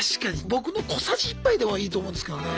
僕の小さじ１杯でもいいと思うんですけどね。